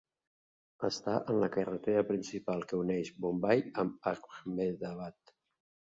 Està en la carretera principal que uneix Bombai amb Ahmedabad.